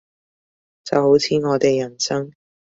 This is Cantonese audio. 就好似我哋人生